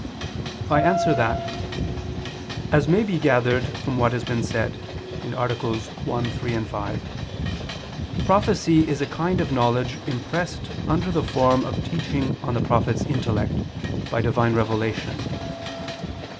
I answer that, As may be gathered from what has been said (AA. 1, 3, 5), prophecy is a kind of knowledge impressed under the form of teaching on the prophet's intellect, by Divine revelation.